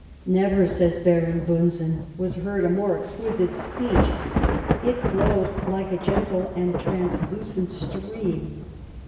"Never," says Baron Bunsen, "was heard a more exquisite speech ; it flowed like a gentle and translucent stream.